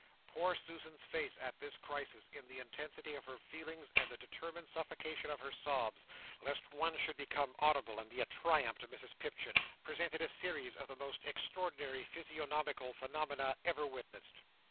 Poor Susan's face at this crisis, in the intensity of her feelings and the determined suffocation of her sobs, lest one should become audible and be a triumph to Mrs Pipchin, presented a series of the most extraordinary physiognomical phenomena ever witnessed.